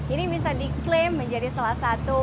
ini bisa diklaim menjadi salah satu produk yang sangat berharga